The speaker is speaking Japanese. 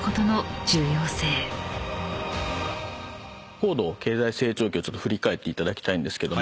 高度経済成長期をちょっと振り返っていただきたいんです。